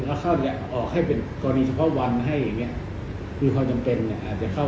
ถ้าเขาจะออกให้เป็นกรณีเฉพาะวันให้มีความจำเป็นจะเข้า